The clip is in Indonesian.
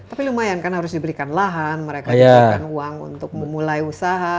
tapi lumayan kan harus diberikan lahan mereka diberikan uang untuk memulai usaha